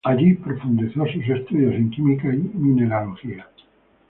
Allí profundizó sus estudios en Química y Mineralogía.